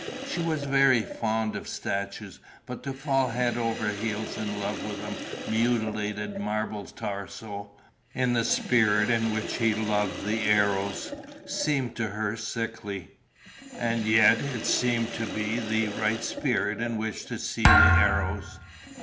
She was very fond of statues; but to fall head over ears in love with a mutilated marble torso, in the spirit in which he loved the Eros, seemed to her sickly ... and yet it seemed to be the right spirit in which to see the Eros.